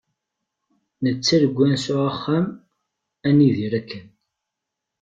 Nettargu ad nesɛu axxam ad nidir akken.